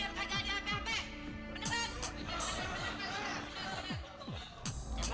mereka berdua dua aja dikamuk